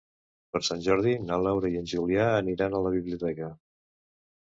Per Sant Jordi na Laura i en Julià aniran a la biblioteca.